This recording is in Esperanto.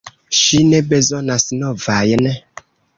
Ŝi ne bezonas novajn!